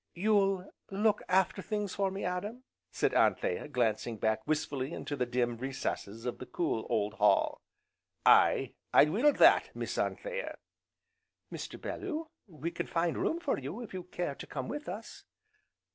"You'll look after things for me, Adam?" said Anthea, glancing back wistfully into the dim recesses of the cool, old hall. "Aye, I will that, Miss Anthea!" "Mr. Bellew, we can find room for you if you care to come with us?"